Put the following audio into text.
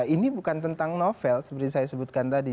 ini bukan tentang novel seperti saya sebutkan tadi